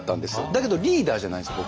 だけどリーダーじゃないんですよ